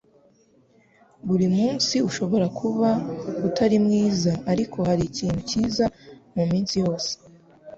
Buri munsi ushobora kuba utari mwiza ariko harikintu cyiza muminsi yose.